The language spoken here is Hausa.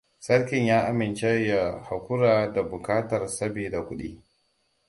Sarkin ya amince ya haƙura da buƙatar sabida kudi.